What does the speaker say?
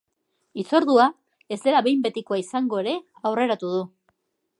Hitzordua ez dela behin betikoa izango ere aurreratu du.